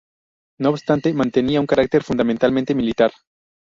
No obstante, mantenía un carácter fundamentalmente militar.